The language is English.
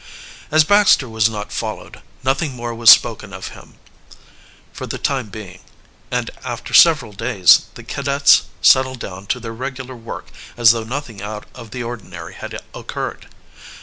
As Baxter was not followed, nothing more was spoken of him for the time being, and after several days the cadets settled down to their regular work as though nothing out of the ordinary had occurred.